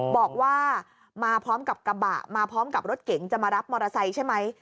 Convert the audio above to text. บอกว่ามาพร้อมกับกระบะมาพร้อมกับรถเก๋งจะมารับมอเตอร์ไซค์ใช่ไหม